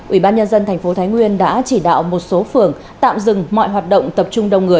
ủy ban nhân dân thành phố thái nguyên đã chỉ đạo một số phường tạm dừng mọi hoạt động tập trung đông người